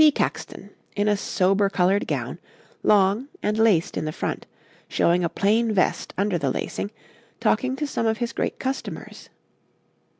] See Caxton, in a sober coloured gown, long, and laced in the front, showing a plain vest under the lacing, talking to some of his great customers.